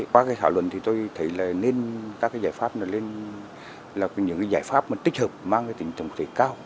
qua cái thảo luận thì tôi thấy là nên các giải pháp này lên là những giải pháp tích hợp mang tỉnh trọng tỉ cao